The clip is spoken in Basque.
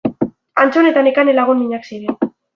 Antton eta Nekane lagun minak ziren.